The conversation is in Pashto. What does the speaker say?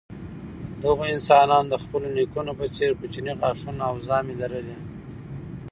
دغو انسانانو د خپلو نیکونو په څېر کوچني غاښونه او ژامې لرلې.